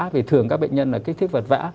vì thường các bệnh nhân là kích thích vật vã